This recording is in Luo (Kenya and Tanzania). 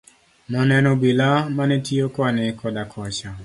Noneno obila mane tiyo koni koda kocha.